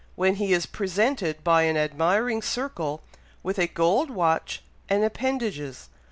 when he is presented by an admiring circle with 'a gold watch and appendages!'